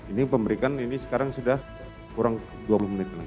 ini pemberikan ini sekarang sudah kurang dua puluh menit lah